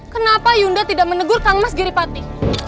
kenapa yunda tidak menegur kang mas giripati